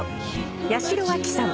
八代亜紀さん